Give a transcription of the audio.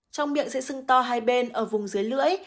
trong miệng sẽ sưng to hai bên ở vùng dưới lưỡi